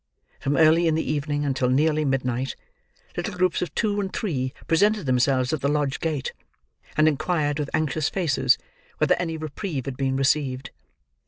From early in the evening until nearly midnight, little groups of two and three presented themselves at the lodge gate, and inquired, with anxious faces, whether any reprieve had been received.